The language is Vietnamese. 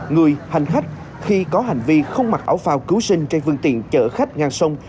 người hành khách khi có hành vi không mặc áo phao cứu sinh trên phương tiện chở khách ngang sông